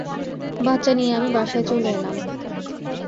বাচ্চা নিয়ে আমি বাসায় চলে এলাম।